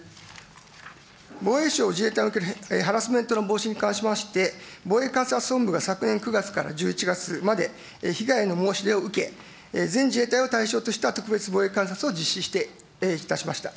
防衛省・自衛隊におけるハラスメントの防止に関しましては、防衛監察本部が昨年９月から１１月まで被害の申し出を受け、全自衛隊を対象とした特別防衛監察を実施いたしました。